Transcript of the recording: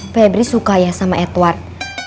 febri suka ya sama edward